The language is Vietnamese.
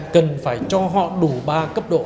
cần phải cho họ đủ ba cấp độ